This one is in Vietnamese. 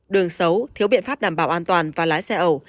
đường xấu thiếu biện pháp đảm bảo an toàn và lái xe ẩu